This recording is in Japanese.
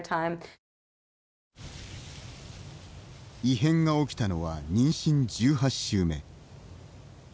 異変が起きたのは妊娠１８週目。